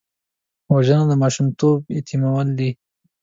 وژنه د ماشومتوب یتیمول دي